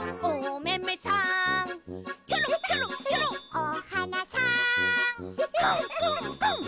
「おはなさんくん！